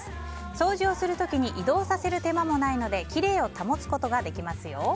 掃除をする時に移動させる手間もないのできれいを保つことができますよ。